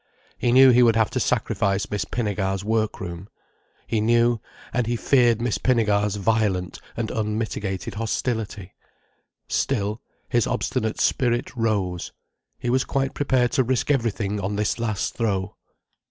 He knew he would have to sacrifice Miss Pinnegar's work room. He knew, and he feared Miss Pinnegar's violent and unmitigated hostility. Still—his obstinate spirit rose—he was quite prepared to risk everything on this last throw.